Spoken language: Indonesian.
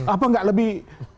apa tidak lebih